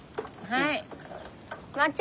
はい。